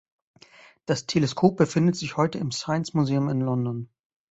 Das Teleskop befindet sich heute im Science Museum in London.